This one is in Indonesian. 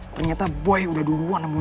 ternyata boy udah duluan emang gue